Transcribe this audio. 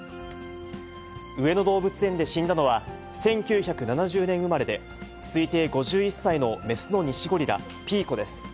上野動物園で死んだのは、１９７０年生まれで、推定５１歳の雌のニシゴリラ、ピーコです。